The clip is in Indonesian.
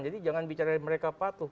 jadi jangan bicara mereka patuh